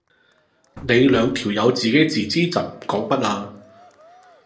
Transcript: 你兩條友自己吱吱朕講乜啊？